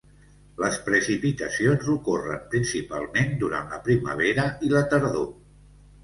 Les precipitacions ocorren principalment durant la primavera i la tardor.